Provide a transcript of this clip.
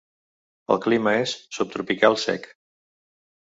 El clima és subtropical sec.